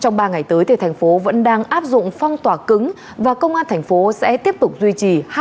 trong ba ngày tới thì thành phố vẫn đang áp dụng phong tỏa cứng và công an tp sẽ tiếp tục duy trì